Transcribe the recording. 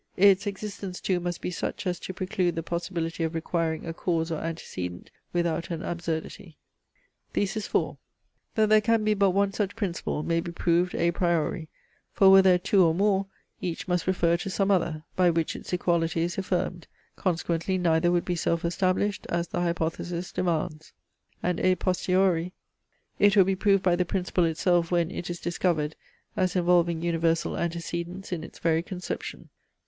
Its existence too must be such, as to preclude the possibility of requiring a cause or antecedent without an absurdity. THESIS IV That there can be but one such principle, may be proved a priori; for were there two or more, each must refer to some other, by which its equality is affirmed; consequently neither would be self established, as the hypothesis demands. And a posteriori, it will be proved by the principle itself when it is discovered, as involving universal antecedence in its very conception.